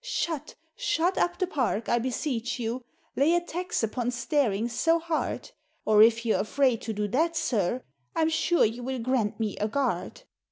Shut, shut up the Park, I beseech you. Lay a tax upon staring so hard. Or, if you're afraid to do that, Sir, I'm sure you will grant me a guard."